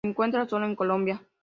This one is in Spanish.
Se encuentra sólo en Colombia.